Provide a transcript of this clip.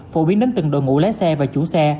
phổ biến đến từng đội ngũ lái xe và chủ xe